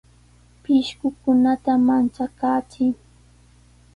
Pishqukunata manchakaachiy.